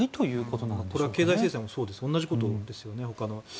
これは経済制裁もそうですね同じことですよね。